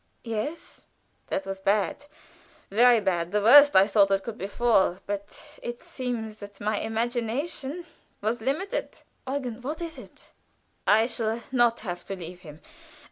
"Yes." "That was bad, very bad. The worst, I thought, that could befall; but it seems that my imagination was limited." "Eugen, what is it?" "I shall not have to leave him.